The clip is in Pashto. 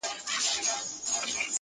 خدای مي تاج وو پر تندي باندي لیکلی!.